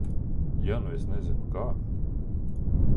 Ja nu es nezinu, kā?